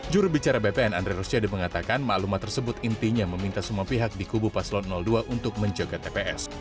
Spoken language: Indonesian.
jurubicara bpn andre rosyade mengatakan maklumat tersebut intinya meminta semua pihak di kubu paslon dua untuk menjaga tps